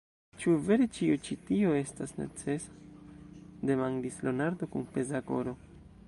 Ĉu vere ĉio ĉi tio estas necesa? demandis Leonardo kun peza koro.